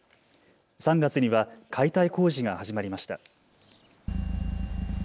３月には解体工事が始まりました。